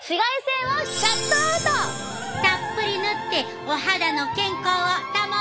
たっぷり塗ってお肌の健康を保ってや！